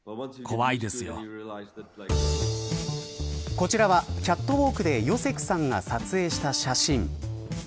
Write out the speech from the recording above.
こちらはキャットウォークでヨセクさんが撮影した写真。